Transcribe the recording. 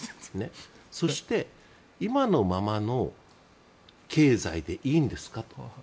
そして、今のままの経済でいいんですかと。